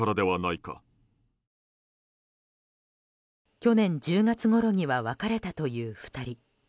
去年１０月ごろには別れたという２人。